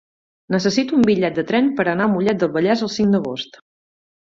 Necessito un bitllet de tren per anar a Mollet del Vallès el cinc d'agost.